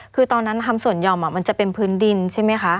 คือตอนนั้นทำส่วนยอมมันจะเป็นพื้นดินใช่ไหมคะ